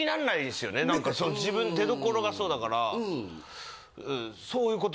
出どころがそうだから。